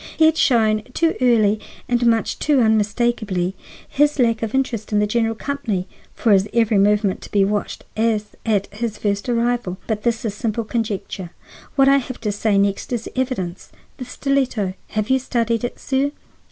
He had shown too early and much too unmistakably his lack of interest in the general company for his every movement to be watched as at his first arrival. But this is simple conjecture; what I have to say next is evidence. The stiletto—have you studied it, sir?